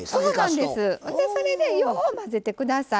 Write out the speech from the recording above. それでよう混ぜてください。